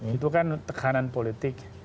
itu kan tekanan politik